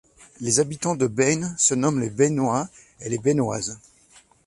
Les habitants de Beine se nomment les Beinois et les Beinoises.